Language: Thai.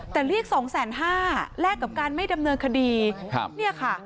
แต่เรียกสองแสนห้าแลกกับการไม่ดำเนินคดีครับเนี่ยค่ะ